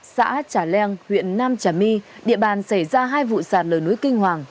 xã trà leng huyện nam trà my địa bàn xảy ra hai vụ sạt lở núi kinh hoàng